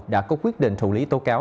đã có quyết định thủ lý tố cáo